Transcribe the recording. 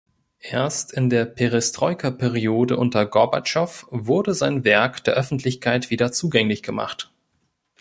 Erst in der Perestroika-Periode unter Gorbatschow wurde sein Werk der Öffentlichkeit wieder zugänglich gemacht.